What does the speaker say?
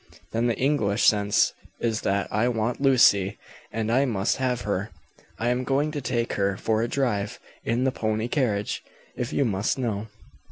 "Then the English sense is that I want Lucy and I must have her. I am going to take her for a drive in the pony carriage, if you must know.